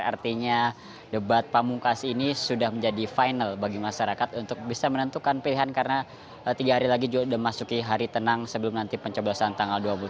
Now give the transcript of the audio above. artinya debat pamungkas ini sudah menjadi final bagi masyarakat untuk bisa menentukan pilihan karena tiga hari lagi memasuki hari tenang sebelum nanti pencoblosan tanggal dua puluh tiga